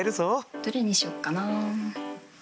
どれにしよっかな？